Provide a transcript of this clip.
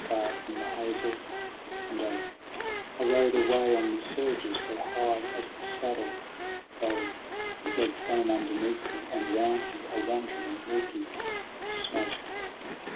Far from the hazel and oak I rode away on the surges, where, high as the saddle bow, Fled foam underneath me, and round me, a wandering and milky smoke.